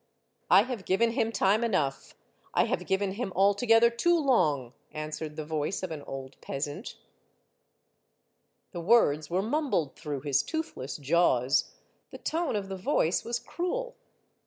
I have given him time enough ; I have given him altogether too long," answered the voice of an old peasant. The words were mumbled through 8 114 Monday Tales, his toothless jaws ; the tone of the voice was cruel.